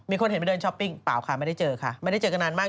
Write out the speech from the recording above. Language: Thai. มีคนเห็นไปเดินชอปปิ้งเปล่าค่ะไม่ได้เจอกันนานมาก